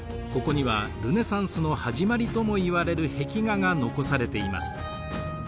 ここにはルネサンスの始まりともいわれる壁画が残されています。